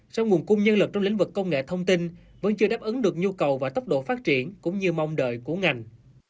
sau nguồn cung nhân lực trong lĩnh vực công nghệ thông tin vẫn chưa đáp ứng được nhu cầu và tốc độ phát triển cũng như mong đợi của ngành